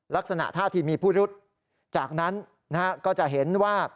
ลักษณะท่าทีมีผู้รุดจากนั้นก็จะเห็นว่า